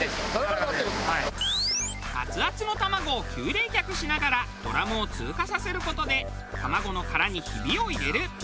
アツアツの卵を急冷却しながらドラムを通過させる事で卵の殻にヒビを入れる。